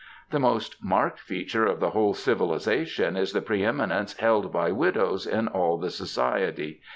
The most marked feature of the whole civilisation is the pre eminence held by widows in all the society.